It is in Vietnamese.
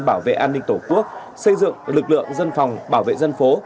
bảo vệ an ninh tổ quốc xây dựng lực lượng dân phòng bảo vệ dân phố